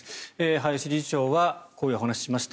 林理事長はこういうお話をしました。